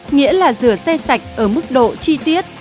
nghĩa là rửa xe sạch ở mức độ chi tiết